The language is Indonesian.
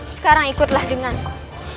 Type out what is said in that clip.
sekarang ikutlah denganku